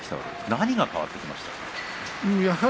何が変わってきましたか？